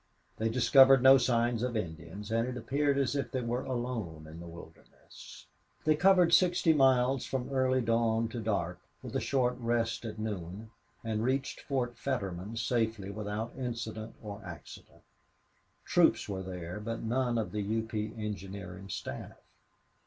They discovered no signs of Indians, and it appeared as if they were alone in a wilderness. They covered sixty miles from early dawn to dark, with a short rest at noon, and reached Fort Fetterman safely without incident or accident. Troops were there, but none of the U. P. engineering staff.